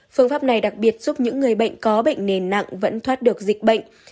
phương pháp này đặc biệt giúp những người bệnh có bệnh nền nặng vẫn thoát được dịch bệnh